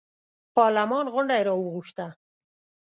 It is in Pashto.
پارلمان غونډه یې راوغوښته.